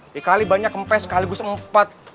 dikali banyak empes sekaligus empat